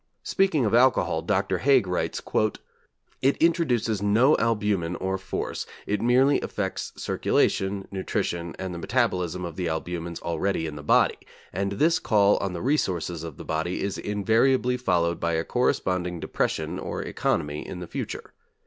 Speaking of alcohol Dr. Haig writes: 'It introduces no albumen or force, it merely affects circulation, nutrition, and the metabolism of the albumens already in the body, and this call on the resources of the body is invariably followed by a corresponding depression or economy in the future....